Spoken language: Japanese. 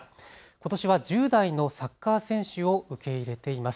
ことしは１０代のサッカー選手を受け入れています。